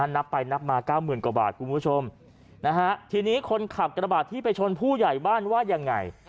นับไปนับมา๙๐๐กว่าบาทคุณผู้ชมนะฮะทีนี้คนขับกระบาดที่ไปชนผู้ใหญ่บ้านว่ายังไง